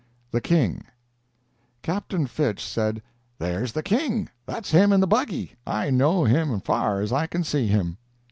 THE KING Captain Fitch said, "There's the King! that's him in the buggy! I know him far as I can see him."